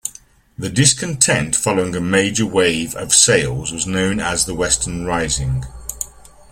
The discontent following a major wave of sales was known as the Western Rising.